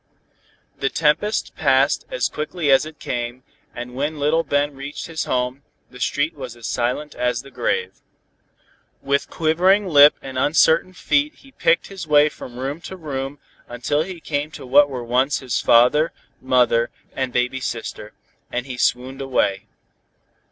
The tempest passed as quickly as it came, and when little Ben reached his home, the street was as silent as the grave. With quivering lip and uncertain feet he picked his way from room to room until he came to what were once his father, mother and baby sister, and then he swooned away.